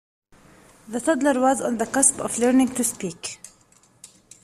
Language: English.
The toddler was on the cusp of learning to speak.